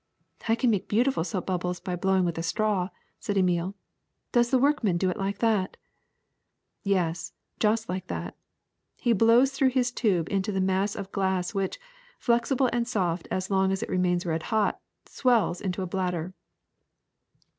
^' "I can make beautiful soap bubbles by blowing with a straw,'' said Emile. "Does the workman do it like that r' "Yes, just like that. He blows through his tube into the mass of glass which, flexible and soft as long as it remains red hot, swells into a bladder.